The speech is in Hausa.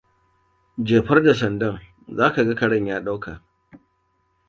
Jefar da sandan za ka ga karen ya dauka.